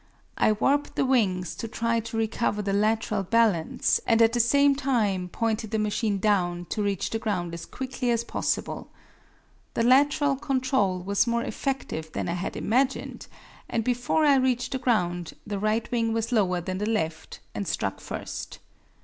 I warped the wings to try to recover the lateral balance and at the same time pointed the machine down to reach the ground as quickly as possible. The lateral control was more effective than I had imagined and before I reached the ground the right wing was lower than the left and struck first.